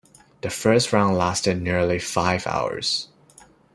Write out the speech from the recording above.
The first round lasted nearly five hours.